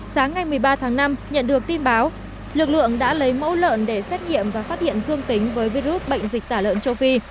sáng ngày một mươi ba tháng năm nhận được tin báo lực lượng đã lấy mẫu lợn để xét nghiệm và phát hiện dương tính với virus bệnh dịch tả lợn châu phi